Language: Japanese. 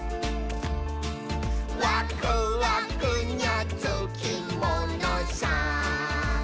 「ワクワクにゃつきものさ」